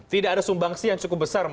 tidak ada sumbangsi yang cukup besar